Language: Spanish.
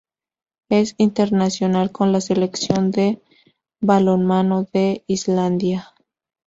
Es internacional con la Selección de balonmano de Islandia.